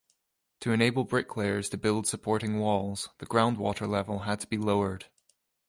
To enable bricklayers to build supporting walls, the groundwater level had to be lowered.